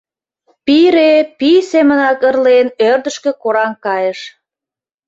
Пире, пий семынак ырлен, ӧрдыжкӧ кораҥ кайыш.